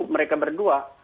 begitu mereka berdua